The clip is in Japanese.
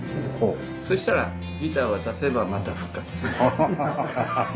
そしたらギター渡せばまた復活する。